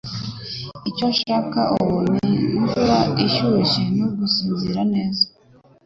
Icyo nshaka ubu ni imvura ishyushye no gusinzira neza